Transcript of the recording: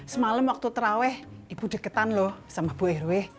semalam waktu terawih ibu deketan loh sama bu rw